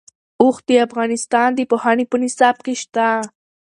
اوښ د افغانستان د پوهنې په نصاب کې شته.